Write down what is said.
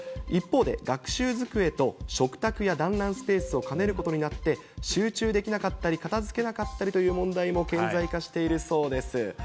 一方で、学習机と食卓や団らんスペースを兼ねることになって、集中できなかったり、片づけなかったりという問題も顕在化しているそうです。